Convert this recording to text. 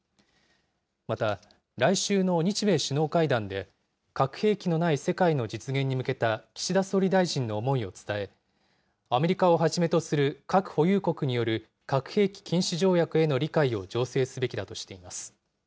また、来週の日米首脳会談で、核兵器のない世界の実現に向けた岸田総理大臣の思いを伝え、アメリカをはじめとする核保有国による核兵器禁止条約への理解を醸成すべきだとしています。